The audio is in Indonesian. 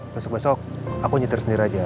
besok besok saya mengantar sendiri saja